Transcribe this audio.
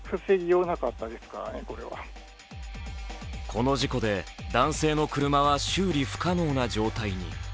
この事故で男性の車は修理不可能な状態に。